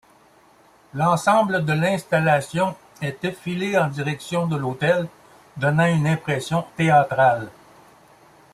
L'ensemble de l'installation est effilée en direction de l'autel donnant une impression théâtrale.